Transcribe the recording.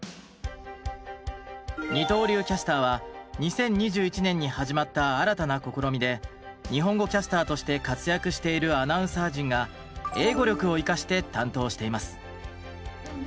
二刀流キャスターは２０２１年に始まった新たな試みで日本語キャスターとして活躍しているアナウンサー陣が英語力を生かして担当しています。